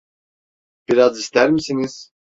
Biraz ister misiniz?